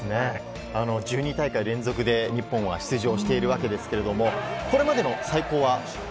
１２大会連続で日本は出場しているわけですが、これまでの最高は？